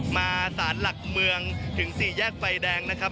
มาสารหลักเมืองถึง๔แยกไฟแดงนะครับ